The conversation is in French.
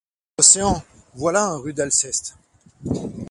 L’océan, voilà un rude Alceste.